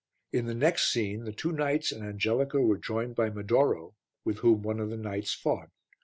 In the next scene the two knights and Angelica were joined by Medoro with whom one of the knights fought.